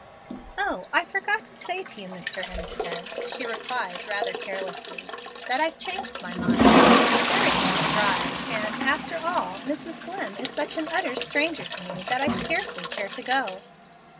"O, I forgot to say to you, Mr. Hemstead," she replied rather carelessly, "that I've changed my mind. It's a very long drive, and, after all, Mrs. Dlimm is such an utter Stranger to me that I scarcely care to go."